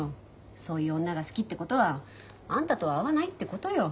そういう女が好きってことはあんたとは合わないってことよ。